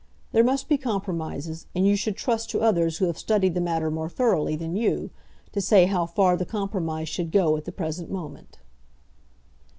There must be compromises, and you should trust to others who have studied the matter more thoroughly than you, to say how far the compromise should go at the present moment."